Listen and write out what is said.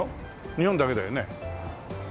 日本だけだよね。